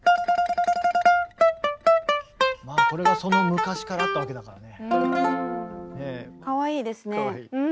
これがその昔からあったわけだからね。